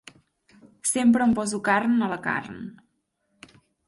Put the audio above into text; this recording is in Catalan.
Sempre em poso carn a la carn.